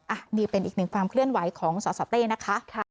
อันนี้เป็นอีกหนึ่งความเคลื่อนไหวของสสเต้นะคะ